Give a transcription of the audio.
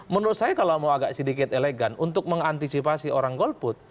menurut saya kalau mau agak sedikit elegan untuk mengantisipasi orang golput